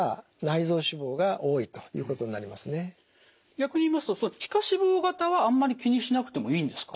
逆に言いますと皮下脂肪型はあんまり気にしなくてもいいんですか？